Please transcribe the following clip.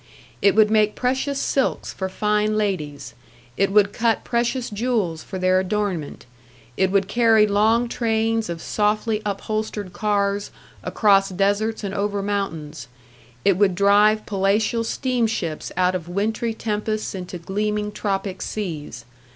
It would make precious silks for fine ladies, it would cut precious jewels for their adornment; it would carry long trains of softly upholstered cars across deserts and over mountains; it would drive palatial steamships out of wintry tempests into gleaming tropic seas.